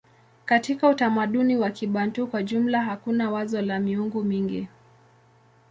Katika utamaduni wa Kibantu kwa jumla hakuna wazo la miungu mingi.